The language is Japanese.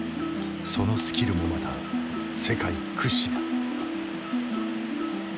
そのスキルもまた世界屈指だ。